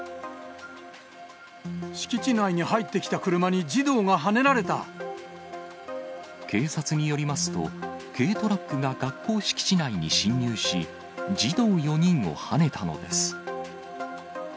敷地内に入ってきた車に児童警察によりますと、軽トラックが学校敷地内に侵入し、児童４人をはねたのです。